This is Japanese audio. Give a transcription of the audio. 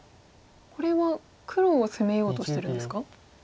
これは黒を攻めようとしてるんですか？